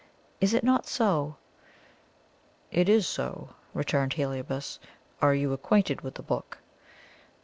Is it not so?" "It is so," returned Heliobas. "Are you acquainted with the book?"